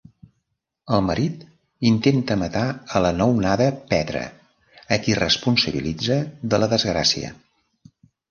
El marit intenta matar a la nounada Petra, a qui responsabilitza de la desgràcia.